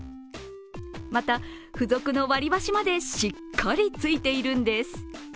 また、付属の割り箸までしっかりついているんです。